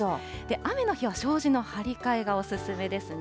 雨の日は障子の張り替えがお勧めですね。